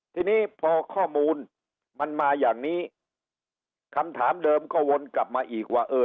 ทีนี้พอข้อมูลมันมาอย่างนี้คำถามเดิมก็วนกลับมาอีกว่าเออ